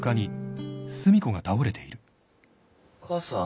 母さん？